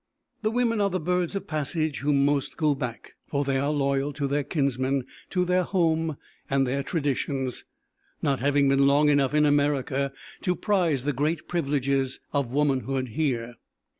The women are the birds of passage who most go back; for they are loyal to their kinsmen, to their home and their traditions, not having been long enough in America to prize the great privileges of womanhood here.